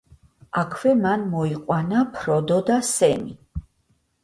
აქვე მან მოიყვანა ფროდო და სემი.